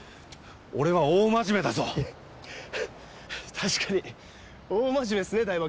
確かに大真面目ですね台場